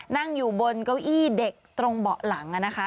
นั่งอยู่บนเก้าอี้เด็กตรงเบาะหลังนะคะ